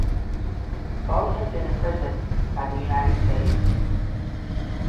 Both had been imprisoned by the United States.